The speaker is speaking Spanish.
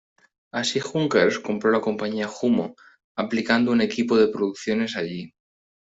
Así Junkers compró la compañía Jumo, aplicando un equipo de producciones allí.